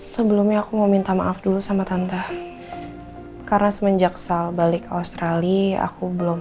sebelumnya aku mau minta maaf dulu sama tante karena semenjak sal balik australia aku belum